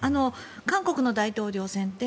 韓国の大統領選挙って